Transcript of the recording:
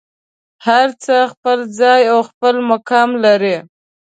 هر څه خپل ځای او خپل مقام لري.